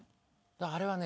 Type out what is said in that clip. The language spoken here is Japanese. あれはね